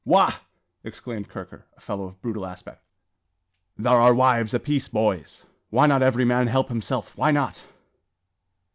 "Wagh!" exclaimed Kirker, a fellow of brutal aspect; "thar are wives apiece, boys: why not every man help himself? Why not?"